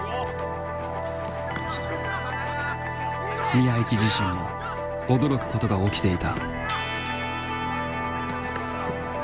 宮市自身も驚くことが起きていた。